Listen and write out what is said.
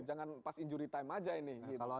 jangan pas injury time aja ini